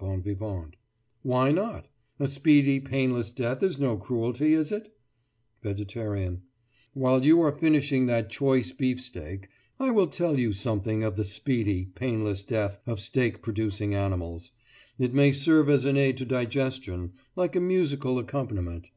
BON VIVANT: Why not? A speedy painless death is no cruelty, is it? VEGETARIAN: While you are finishing that choice beef steak, I will tell you something of the speedy painless death of steak producing animals. It may serve as an aid to digestion, like a musical accompaniment.